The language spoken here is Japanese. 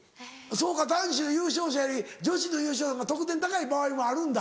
そうか男子の優勝者より女子の優勝のほうが得点高い場合もあるんだ。